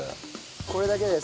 これだけです。